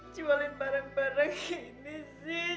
jualin barang barang ini sih